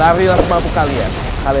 allah allah allah allah